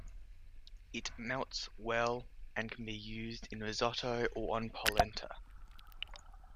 It melts well, and can be used in risotto or on polenta.